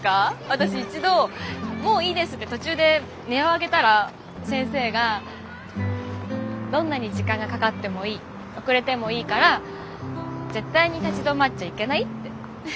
私一度もういいですって途中で音を上げたら先生がどんなに時間がかかってもいい遅れてもいいから絶対に立ち止まっちゃいけないって。